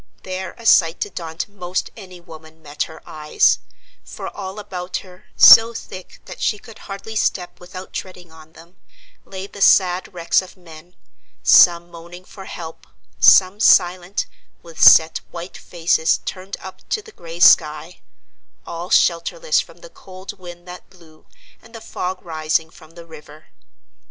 There a sight to daunt most any woman, met her eyes; for all about her, so thick that she could hardly step without treading on them, lay the sad wrecks of men: some moaning for help; some silent, with set, white faces turned up to the gray sky; all shelterless from the cold wind that blew, and the fog rising from the river.